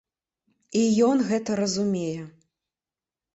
І ён гэта разумее.